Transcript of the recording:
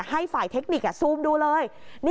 ให้ฝ่ายเทคนิคซูมดูเลย